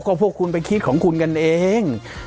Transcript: ก็พวกคุณไปคิดของคุณกันเอง